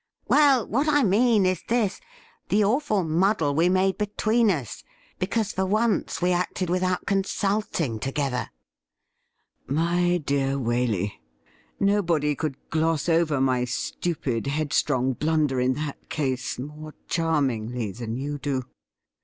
' Well, what I mean is this : the awful muddle we made between us, because for once we acted without consulting together.' ' My dear Waley, nobody could gloss over my stupid, headstrong blunder in that case more charmingly than you do.'